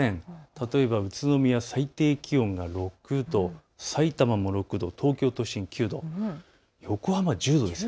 例えば宇都宮最低気温が６度、さいたまも６度、東京都心は９度、横浜は１０度です。